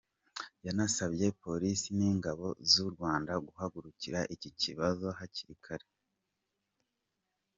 Yanasabye Polisi n’Ingabo z’u Rwanda guhagurukira iki kibazo hakiri kare.